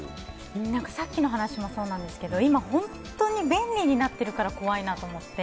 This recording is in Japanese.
さっきの話もそうなんですけど今、本当に便利になっているから怖いなと思って。